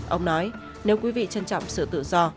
ông nói nếu quý vị trân trọng sự tự do